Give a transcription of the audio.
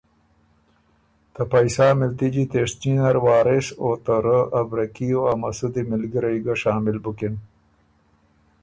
ته پئ سا مِلتجی تِېشتني نر وارث او ته رۀ ا برکي او ا مسودی مِلګِرئ ګه شامل بُکِن